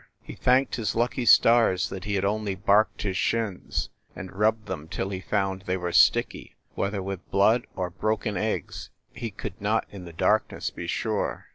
He thanked his lucky stars that he had only barked his shins, and rubbed them till he found they were sticky whether with blood or broken eggs he could not, in the darkness, be sure.